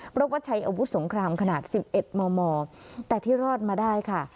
เพราะว่าใช้อาวุธสงครามขนาด๑๑มมแต่ที่รอดมาได้ค่ะ